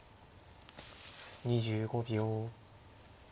２５秒。